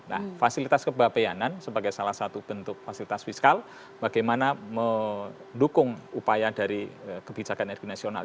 nah fasilitas kebapeanan sebagai salah satu bentuk fasilitas fiskal bagaimana mendukung upaya dari kebijakan energi nasional